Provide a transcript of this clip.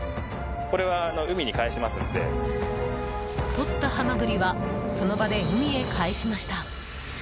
とったハマグリはその場で海へ返しました。